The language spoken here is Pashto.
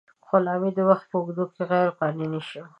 غلامي د وخت په اوږدو کې غیر قانوني شوه.